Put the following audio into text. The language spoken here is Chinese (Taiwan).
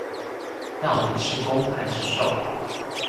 到底是攻還是受